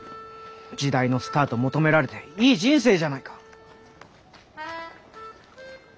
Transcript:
時代のスターと求められていい人生じゃないか。